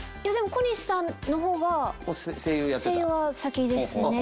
でも小西さんの方が声優は先ですね。